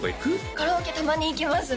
カラオケたまに行きますね